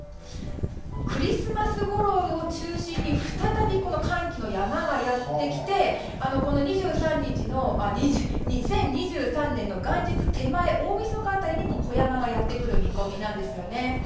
クリスマスごろを中心に再び、寒気の山がやってきて２０２３年の元日手前大みそか辺りにも小山がやってくる見込みなんですね。